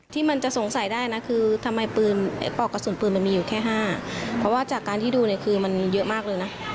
ที่มันจะสงสัยได้นะคือทำไมปืนไอ้ปอกกระสุนปืนมันมีอยู่แค่ห้าเพราะว่าจากการที่ดูเนี่ยคือมันเยอะมากเลยนะ